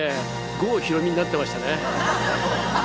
郷ひろみになってましたね。